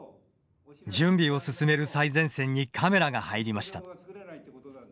準備を進める最前線にカメラが入りました。